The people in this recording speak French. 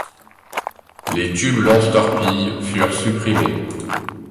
Les tubes lance-torpilles furent supprimés.